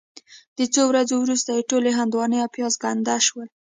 د څو ورځو وروسته یې ټولې هندواڼې او پیاز ګنده شول.